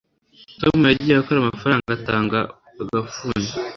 tom yagiye akora amafaranga atanga agafuni